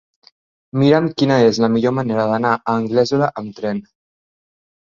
Mira'm quina és la millor manera d'anar a Anglesola amb tren.